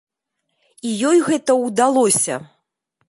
І ёй гэта ўдалося.